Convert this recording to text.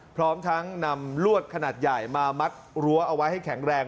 พร้อมทั้งนำลวดขนาดใหญ่มามัดรั้วเอาไว้ให้แข็งแรง